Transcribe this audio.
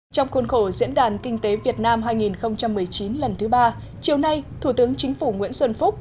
trong khuôn khổ diễn đàn kinh tế việt nam hai nghìn một mươi chín lần thứ ba chiều nay thủ tướng chính phủ nguyễn xuân phúc